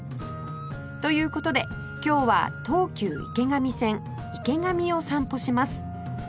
という事で今日は東急池上線池上を散歩します